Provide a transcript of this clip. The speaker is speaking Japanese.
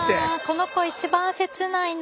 この子一番切ないな。